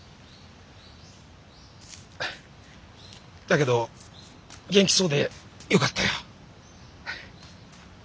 だけど元気そうでよかったよ。